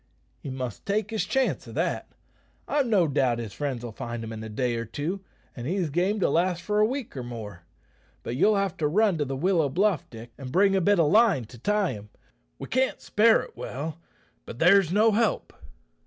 "He must take his chance o' that. I've no doubt his friends'll find him in a day or two, an' he's game to last for a week or more. But you'll have to run to the willow bluff, Dick, and bring a bit of line to tie him. We can't spare it well; but there's no help."